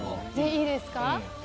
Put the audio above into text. いいですか？